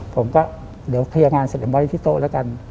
ผมก็เดี๋ยวเคลียร์งานเสร็จไว้ที่โต๊ะแล้วกัน